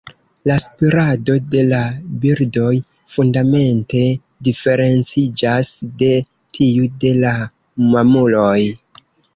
La spirado de la birdoj fundamente diferenciĝas de tiu de la mamuloj.